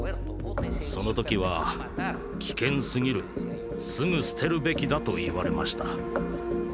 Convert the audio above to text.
その時は「危険すぎるすぐ捨てるべきだ」と言われました。